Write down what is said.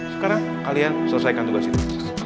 sekarang kalian selesaikan tugas itu